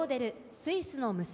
『スイスの娘』。